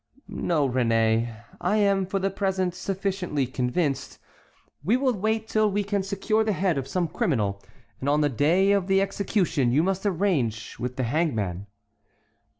"No, Réné, I am for the present sufficiently convinced. We will wait till we can secure the head of some criminal, and on the day of the execution you must arrange with the hangman."